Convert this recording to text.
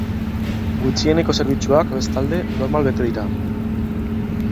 Gutxieneko zerbitzuak, bestalde, normal bete dira.